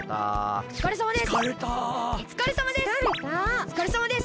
おつかれさまです！